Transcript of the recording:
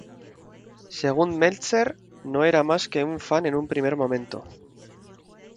Según Meltzer, no era más que un fan en un primer momento.